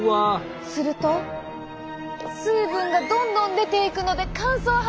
すると水分がどんどん出ていくので乾燥肌に。